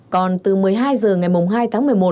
còn từ một mươi hai h ngày hai tháng một mươi một